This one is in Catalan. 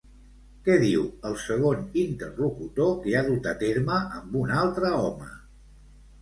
Què diu el segon interlocutor que ha dut a terme amb un altre home?